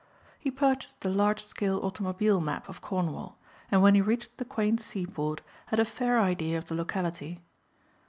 He purchased a large scale automobile map of Cornwall and when he reached the quaint seaport had a fair idea of the locality.